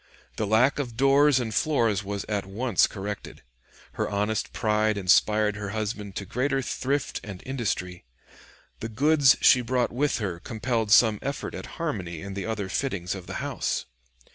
The lack of doors and floors was at once corrected. Her honest pride inspired her husband to greater thrift and industry. The goods she brought with her compelled some effort at harmony in the other fittings of the house.